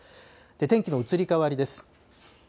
天気の移り変わりです。